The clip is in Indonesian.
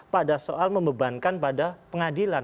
pada soal membebankan pada pengadilan